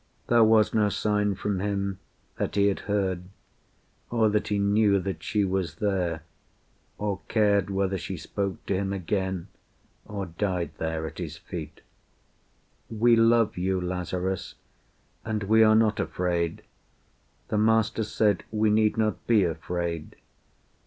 There was no sign from him that he had heard, Or that he knew that she was there, or cared Whether she spoke to him again or died There at his feet. "We love you, Lazarus, And we are not afraid. The Master said We need not be afraid.